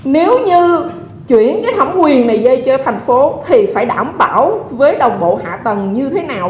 nếu như chuyển thấm quyền này về tp hcm thì phải đảm bảo với đồng bộ hạ tầng như thế nào